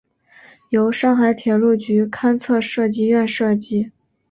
由上海铁路局勘测设计院设计。